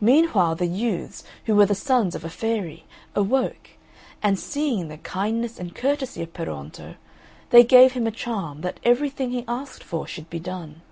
Meanwhile, the youths, who were the sons of a fairy, awoke, and, seeing the kindness and courtesy of Peruonto, they gave him a charm, that every thing he asked for should be done.